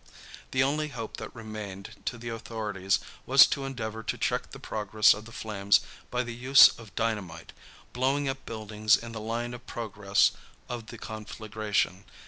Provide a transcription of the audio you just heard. The only hope that remained to the authorities was to endeavor to check the progress of the flames by the use of dynamite, blowing up buildings in the line of progress of the conflagration.